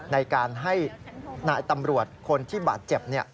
ในการให้นายตำรวจคนที่บาดเจ็บ